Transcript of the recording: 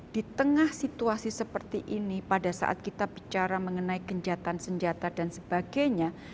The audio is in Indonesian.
di tengah situasi seperti ini pada saat kita bicara mengenai kencatan senjata dan sebagainya